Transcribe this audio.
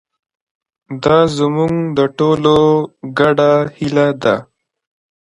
دا زموږ د ټولو ګډه هیله ده.